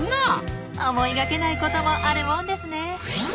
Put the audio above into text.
思いがけないこともあるもんですね。